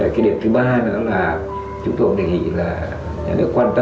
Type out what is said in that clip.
cái điểm thứ ba nữa là chúng tôi đề nghị là nhà nước quan tâm